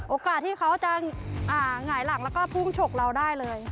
โอกาสที่เขาจะหงายหลังแล้วก็พุ่งฉกเราได้เลย